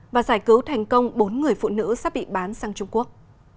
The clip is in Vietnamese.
và giải cứu thành công bốn người phụ nữ sắp bị bán sang trung quốc